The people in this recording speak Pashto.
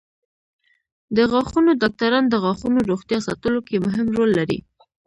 د غاښونو ډاکټران د غاښونو روغتیا ساتلو کې مهم رول لري.